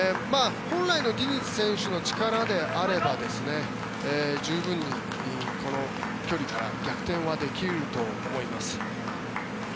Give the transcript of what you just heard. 本来のディニズの選手の力であれば十分にこの距離から逆転はできると思います。